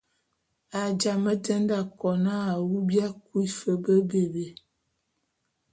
A jamé te nde akon a awu bia kui fe be be.